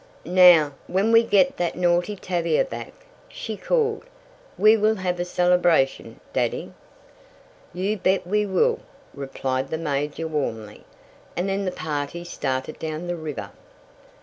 "Now, when we get that naughty Tavia back," she called, "we will have a celebration, Daddy." "You bet we will," replied the major warmly. And then the party started down the river.